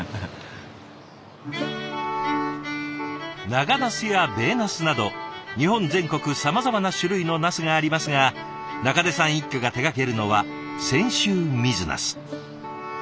長なすや米なすなど日本全国さまざまな種類のなすがありますが中出さん一家が手がけるのは泉州水なす。